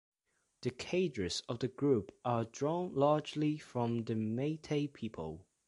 The cadres of the group are drawn largely from the Meitei people.